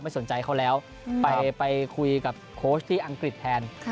สนใจเขาแล้วไปคุยกับโค้ชที่อังกฤษแทน